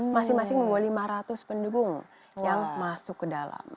masing masing membawa lima ratus pendukung yang masuk ke dalam